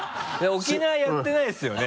沖縄やってないですよね？